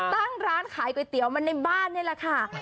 ตั้งร้านขายก๋วยเตี๋ยวมาในบ้านนี่แหละค่ะ